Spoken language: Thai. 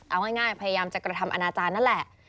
เอาง่ายพยายามจะกระทำอนาจารย์นั่นแหละ